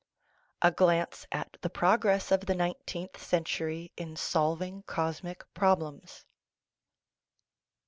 A Glance at the Progress of the Nineteenth Century in Solving Cosmic Problems I.